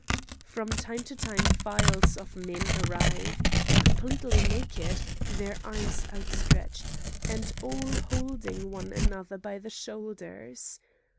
From time to time files of men arrived, completely naked, their arms outstretched, and all holding one another by the shoulders.